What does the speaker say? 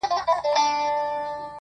د بېلتون غم مي پر زړه باندي چاپېر سو؛